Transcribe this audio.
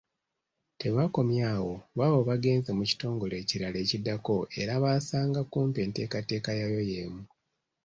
Tebakomye awo, baabo bagenze mu kitongole ekirala ekiddako era baasanga kumpi enteekateeka yaayo y’emu.